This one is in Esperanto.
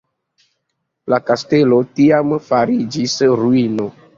La kastelo tiam fariĝis ruino.